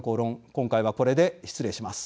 今回はこれで失礼します。